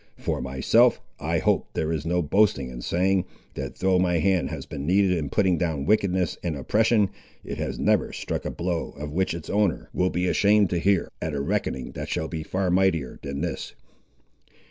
For myself, I hope, there is no boasting in saying, that though my hand has been needed in putting down wickedness and oppression, it has never struck a blow of which its owner will be ashamed to hear, at a reckoning that shall be far mightier than this."